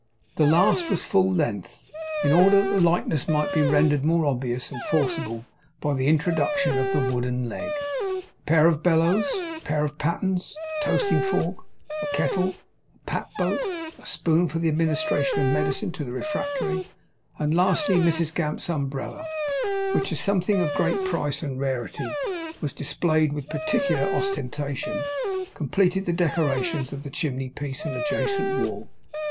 The last was a full length, in order that the likeness might be rendered more obvious and forcible by the introduction of the wooden leg. A pair of bellows, a pair of pattens, a toasting fork, a kettle, a pap boat, a spoon for the administration of medicine to the refractory, and lastly, Mrs Gamp's umbrella, which as something of great price and rarity, was displayed with particular ostentation, completed the decorations of the chimney piece and adjacent wall.